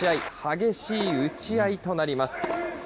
激しい打ち合いとなります。